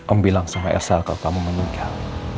om bilang sama elsa kalau kamu meninggal